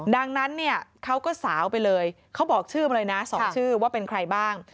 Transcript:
ดังนั้นเนี่ยเขาก็สาวไปเลยเขาบอกชื่อมาเลยนะ๒ชื่อว่าเป็นใครบ้าง